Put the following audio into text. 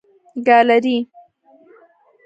ګالري